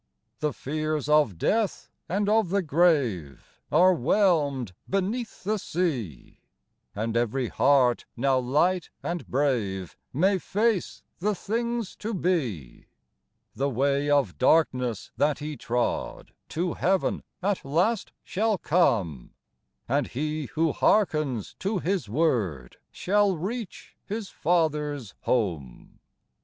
The fears of death and of the grave Are whelmed beneath the sea ; And every heart now light and brave May face the things to be. 9* The way of darkness that He trod To heaven at last shall come ; And he who hearkens to His word Shall reach his Father's home.